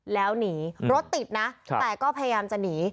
แล้วหนีรถติดนะแต่ก็พยายามจะหนี